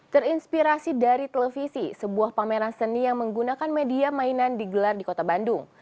terinspirasi dari televisi sebuah pameran seni yang menggunakan media mainan digelar di kota bandung